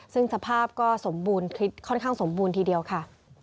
ซึ่งสภาพก็สมบูรณ์ค่อนข้างสมบูรณ์ทีเดียวค่ะ